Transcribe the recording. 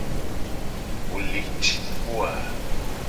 Wo le ci kpo a?